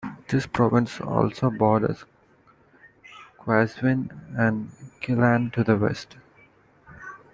This province also borders Qazvin and Gilan to the west.